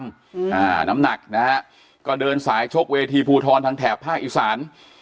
อ่าน้ำหนักนะฮะก็เดินสายชกเวทีภูทรทางแถบภาคอีสาน